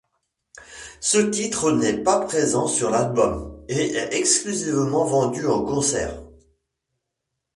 Ce titre n'est pas présent sur l'album et est exclusivement vendu aux concerts.